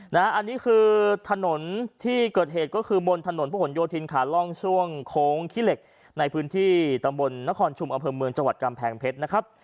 อันนี้คือถนนที่เกิดเหตุก็คือบนถนนพระหลโยธินขาล่องช่วงโค้งขี้เหล็กในพื้นที่ตำบลนครชุมอำเภอเมืองจังหวัดกำแพงเพชรนะครับ